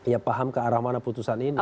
ya paham ke arah mana putusan ini